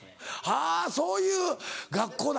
はぁそういう学校だ。